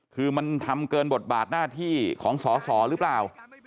คือมันทำเกินบทบาทหน้าที่ของสอสอหรือเปล่า